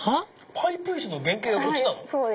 パイプ椅子の原型がこっちなの？